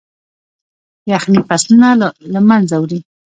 يخني فصلونه له منځه وړي.